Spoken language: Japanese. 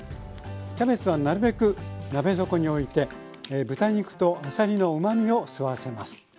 キャベツはなるべく鍋底において豚肉とあさりのうまみを吸わせます。